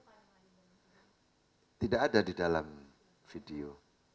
tidak ada di dalam video